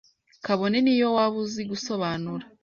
Kabone niyo waba uzi gusobanura